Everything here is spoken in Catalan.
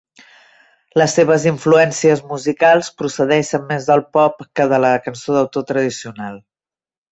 Les seves influències musicals procedeixen més del pop que de la cançó d'autor tradicional.